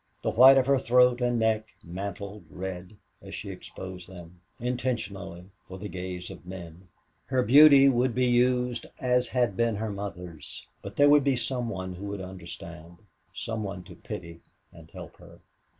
The white of her throat and neck mantled red as she exposed them, intentionally, for the gaze of men. Her beauty was to be used as had been her mother's. But there would be some one who would understand, some one to pity and help her.